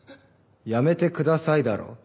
「やめてください」だろ。